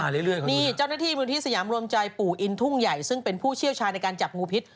นี่เจ้าหน้าที่มูลที่สยามรวมใจปู่อินทุ่งใหญ่ซึ่งเป็นผู้เชี่ยวชาญในการจับงูพิษ